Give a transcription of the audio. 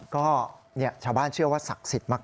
ก็ชาวบ้านเชื่อว่าศักดิ์สิทธิ์มาก